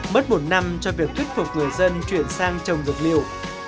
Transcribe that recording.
mất một năm cho việc thuyết phục người dân chuyển sang trồng dược liệu